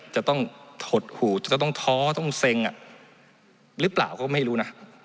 จะต้องหดหูจะต้องท้อต้องเซ็งหรือเปล่าก็ไม่รู้นะ